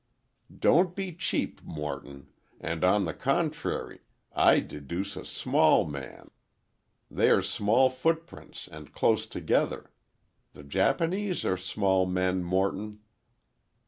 "Don't be cheap, Morton. And, on the contrary, I deduce a small man. They are small footprints, and close together. The Japanese are small men, Morton."